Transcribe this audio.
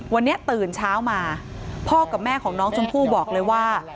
วันนี้ตื่นเช้ามาพ่อกับแม่ของน้องชมพู่บอกเลยว่า